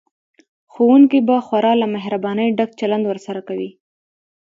ښوونکي به خورا له مهربانۍ ډک چلند ورسره کوي